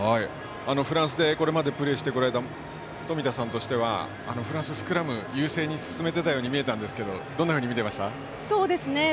フランスでこれまでプレーしてこられた冨田さんとしてはフランスがスクラムを優勢に進めていたように見えましたがどんなふうに見ていましたか。